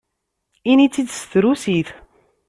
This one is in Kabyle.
Ini-tt-id s trusit!